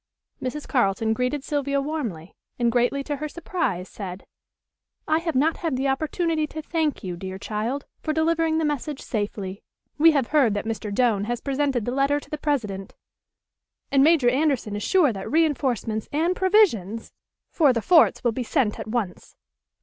Mrs. Carleton greeted Sylvia warmly, and, greatly to her surprise, said: "I have not had the opportunity to thank you, dear child, for delivering the message safely. We have heard that Mr. Doane has presented the letter to the President, and Major Anderson is sure that reinforcements and provisions for the forts will be sent at once."